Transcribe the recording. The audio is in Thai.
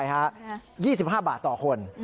ใช่ฮะ๒๕บาทต่อคน